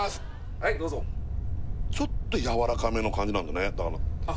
はいどうぞちょっとやわらかめの感じなんだねあっ